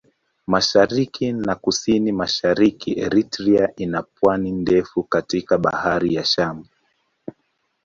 Mashariki na Kusini-Mashariki Eritrea ina pwani ndefu katika Bahari ya Shamu.